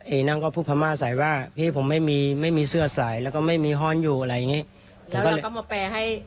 เอะนั่งพูดพรมาสไสว่าพี่ผมไม่มีเสื้อสายแล้วก็ไม่มีห้อนอยู่อะไรเงี้ย